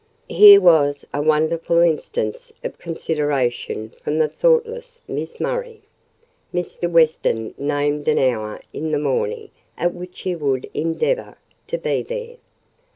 Here was a wonderful instance of consideration from the thoughtless Miss Murray. Mr. Weston named an hour in the morning at which he would endeavour to be there.